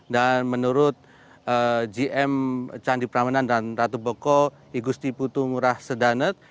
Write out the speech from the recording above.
dan menurut gm candi perambanan dan ratu boko igusti putu murah sedanet